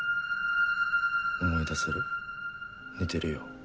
思い出せる似てるよ